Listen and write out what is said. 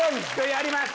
やります。